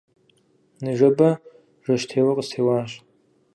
Ныжэбэ жэщтеуэ къыстеуащ.